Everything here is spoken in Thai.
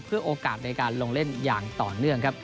เพื่อโอกาสในการลงเล่นอย่างต่อเนื่องครับ